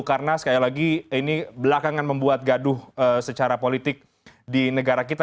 karena sekali lagi ini belakangan membuat gaduh secara politik di negara kita